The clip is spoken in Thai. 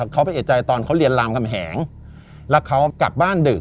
เขาไปเอกใจตอนเขาเรียนรามคำแหงแล้วเขากลับบ้านดึก